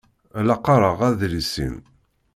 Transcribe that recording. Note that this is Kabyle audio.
La qqaṛeɣ adlis-im.